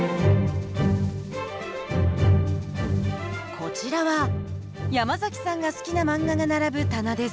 こちらはヤマザキさんが好きな漫画が並ぶ棚です。